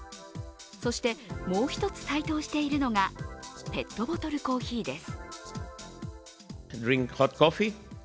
そして、もう一つ台頭しているのがペットボトルコーヒーです。